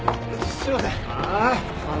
すいません。